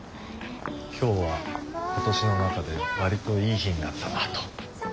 「今日は今年の中で割といい日になったな」と。